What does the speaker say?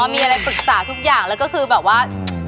มีอะไรปรึกษาทุกอย่างแล้วก็คือแบบว่า